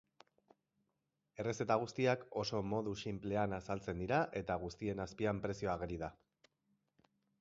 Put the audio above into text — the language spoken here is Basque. Errezeta guztiak oso modu sinplean azaltzen dira eta guztien azpian prezioa ageri da.